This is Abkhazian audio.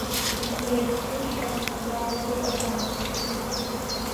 Иара иԥшышьа абраҟа дыҟаӡамшәа…